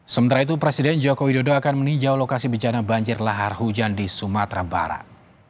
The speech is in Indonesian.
sementara itu presiden joko widodo akan meninjau lokasi bencana banjir lahar hujan di sumatera barat